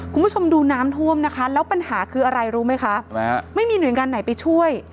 คุณผู้ชมดูน้ำท่วมนะคะแล้วปัญหาคืออะไรรู้ไหมคะไม่มีหน่วยงานไหนไปช่วย